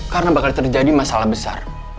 karena bakal terjadi masalah besar